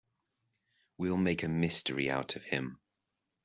We'll make a mystery out of him.